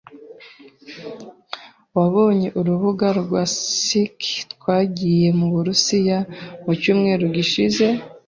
Wabonye urubuga rwa ski twagiye mu burusiya mucyumweru gishize?